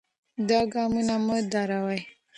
دا ګامونه مه دروئ.